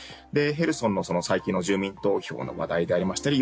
ヘルソンの、最近の住民投票の話題でありましたり